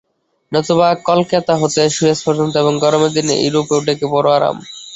নতুবা কলকেতা হতে সুয়েজ পর্যন্ত এবং গরমের দিনে ইউরোপেও ডেকে বড় আরাম।